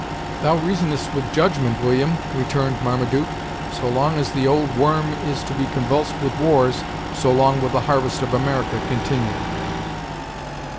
"Thou reasonest with judgment, William," returned Marmaduke. "So long as the Old Worm is to be convulsed with wars, so long will the harvest of America continue."